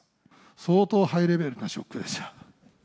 相当ハイレベルなショックでした。